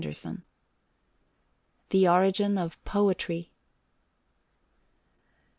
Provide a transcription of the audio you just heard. THE ORIGIN OF POETRY.